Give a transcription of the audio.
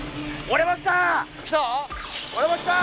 俺もきた！